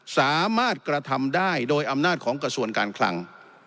สามารถกระทำได้โดยอำนาจของกระทรวงการคลัง